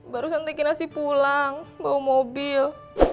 baru santikin asih pulang bawa mobil